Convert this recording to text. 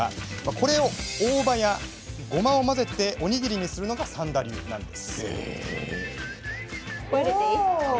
これを大葉やごまを混ぜておにぎりにするのが三田流なんです。